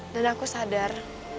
dan aku sadar